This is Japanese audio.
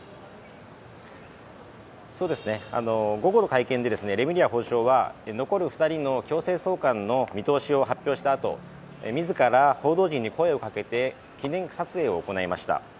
午後の会見でレムリヤ法相は残る２人の強制送還の見通しを発表したあと自ら報道陣に声をかけて記念撮影を行いました。